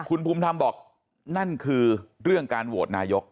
คุณภูมิธรรมบอกนั่นคือเรื่องการโหวตนายก